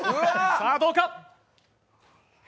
さあ、どうか？